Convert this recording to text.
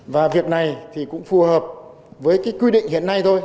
và việc này thì cũng phù hợp với cái quy định hiện nay thôi